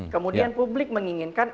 kemudian publik menginginkan